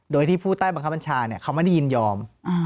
โดยที่ผู้ใต้บังคับบัญชาเขาไม่ได้ยินยอม